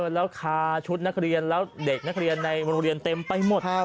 แล้วคาชุดนักเรียนแล้วเด็กนักเรียนในโรงเรียนเต็มไปหมด